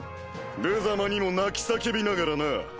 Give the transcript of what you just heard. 無様にも泣き叫びながらな。